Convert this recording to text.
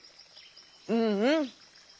うんうん！